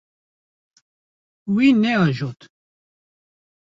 Wî neajot.